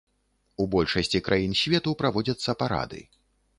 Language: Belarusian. У большасці краін свету праводзяцца парады.